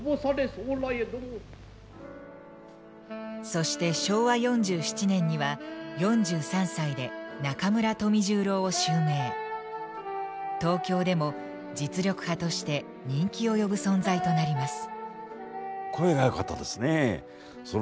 そして昭和４７年には東京でも実力派として人気を呼ぶ存在となります。